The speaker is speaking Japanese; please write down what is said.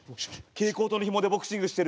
蛍光灯のひもでボクシングしてる。